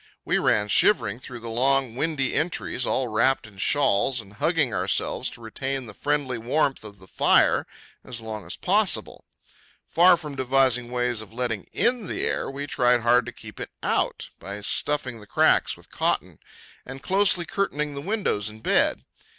We ran shivering through the long, windy entries, all wrapped in shawls, and hugging ourselves to retain the friendly warmth of the fire as long as possible. Far from devising ways of letting in the air, we tried hard to keep it out by stuffing the cracks with cotton, and closely curtaining the windows and bed.